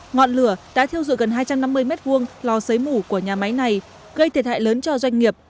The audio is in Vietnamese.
ngoạn lửa đã thiêu dụi gần hai trăm năm mươi mét vuông lò xấy mủ của nhà máy này gây thiệt hại lớn cho doanh nghiệp